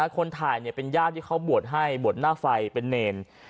คนถ่ายเป็นญาติที่เขาบวชให้บวชหน้าไฟเป็นเนร